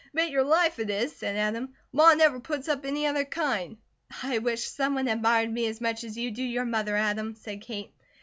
"Bet your life it is," said Adam. "Ma never puts up any other kind." "I wish someone admired me as much as you do your mother, Adam," said Kate.